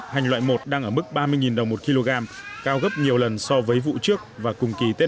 hành loại một đang ở mức ba mươi đồng một kg cao gấp nhiều lần so với vụ trước và cùng kỳ tết